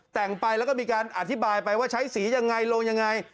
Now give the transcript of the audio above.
แต่งไปแล้วก็มีการอธิบายไปว่าใช้สียังไงลงยังไง